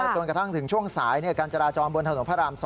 จนกระทั่งถึงช่วงสายการจราจรบนถนนพระราม๒